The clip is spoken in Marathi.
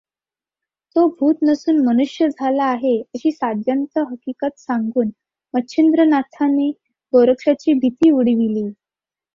तो भूत नसून मनुष्य झाला आहे, अशी साद्यंत हकीगत सांगून मच्छिंद्रनाथाने गोरक्षाची भीति उडविली